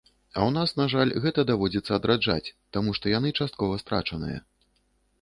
А у нас, на жаль, гэта даводзіцца адраджаць, таму што яны часткова страчаныя.